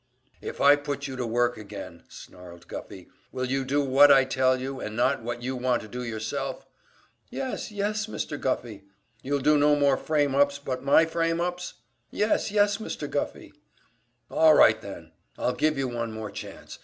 "If I put you to work again," snarled Guffey, "will you do what I tell you, and not what you want to do yourself?" "Yes, yes, Mr. Guffey." "You'll do no more frame ups but my frame ups?" "Yes, yes, Mr. Guffey." "All right, then, I'll give you one more chance.